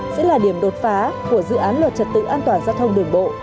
sẽ là điểm đột phá của dự án luật trật tự an toàn giao thông đường bộ